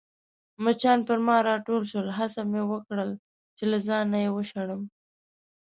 مچان پر ما راټول شول، هڅه مې وکړل چي له ځانه يې وشړم.